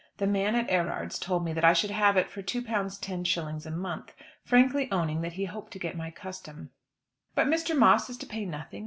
The man at Erard's told me that I should have it for £2 10s. a month, frankly owning that he hoped to get my custom. "But Mr. Moss is to pay nothing?"